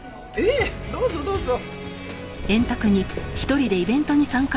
ええどうぞどうぞ。